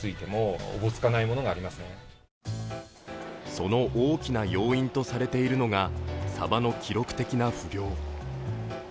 その大きな要因とされているのがサバの記録的な不漁。